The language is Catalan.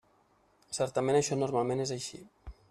Certament això normalment és així.